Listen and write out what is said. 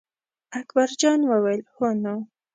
اکبر جان وویل: هو نو.